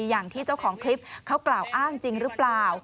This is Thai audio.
อย่างที่เจ้าของคลิปเขากล่าวอ้างจริงหรือเปล่า